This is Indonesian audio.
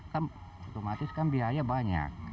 kan otomatis kan biaya banyak